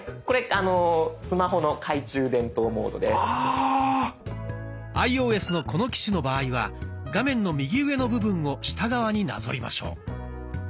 アイオーエスのこの機種の場合は画面の右上の部分を下側になぞりましょう。